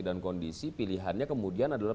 dan kondisi pilihannya kemudian adalah